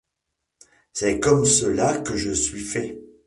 C’est comme cela que je suis fait.